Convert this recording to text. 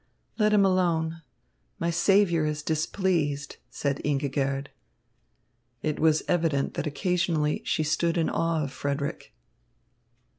"Let him alone. My saviour is displeased," said Ingigerd. It was evident that occasionally she stood in awe of Frederick.